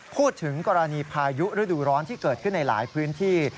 พูดถึงกรณีพายุฤดูร้อนที่เกิดขึ้นในหลายพื้นที่